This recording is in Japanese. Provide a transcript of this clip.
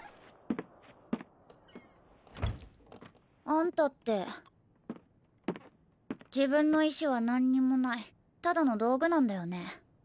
あんたって自分の意思は何にもないただの道具なんだよね？